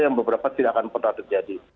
yang beberapa tidak akan pernah terjadi